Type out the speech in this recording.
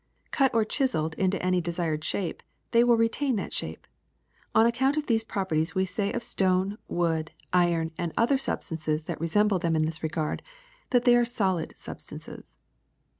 Cut or chiseled into any desired shape, they will retain that shape. On account of these properties we say of stone, wood, iron, and other substances that re semble them in this regard, that they are solid sub stances.